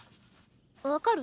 分かる？